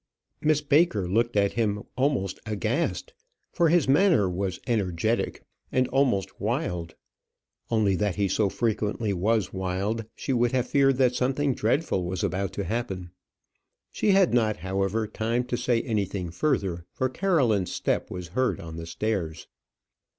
Miss Baker looked at him almost aghast, for his manner was energetic and almost wild. Only that he so frequently was wild, she would have feared that something dreadful was about to happen. She had not, however, time to say anything further, for Caroline's step was heard on the stairs.